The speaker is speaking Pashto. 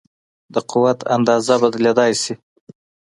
د قوت اندازه بدلېدای شي.